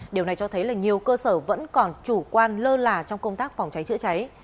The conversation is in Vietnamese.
điều này cho thấy là nhiều cơ sở vẫn còn chủ quan lơ là trong công tác phòng cháy chữa cháy